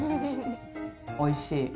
おいしい。